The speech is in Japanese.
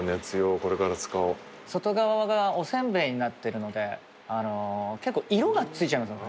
これから使おう外側がお煎餅になってるので結構色がついちゃいますよね